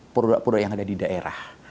produk produk yang ada di daerah